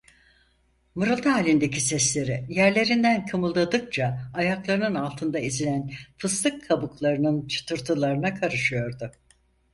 Mırıltı halindeki sesleri, yerlerinden kımıldadıkça ayaklarının altında ezilen fıstık kabuklarının çıtırtılarına karışıyordu.